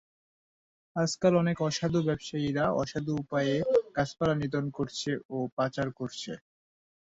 আজকাল অনেক অসাধু ব্যবসায়ীরা অসাধু উপায়ে গাছপালা নিধন করছে ও পাচার করছে।